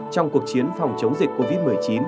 trong cuộc chiến phòng chống dịch covid một mươi chín